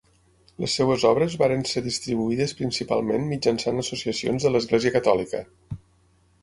Les seves obres varen ser distribuïdes principalment mitjançant associacions de l'Església Catòlica.